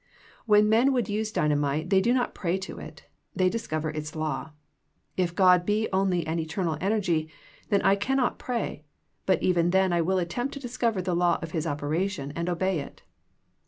When men would use dynamite they do not pray to it. They discover its law. If God be only an eternal energy, then I cannot pray, but even then I will attempt to discover the law of His operation and obey it.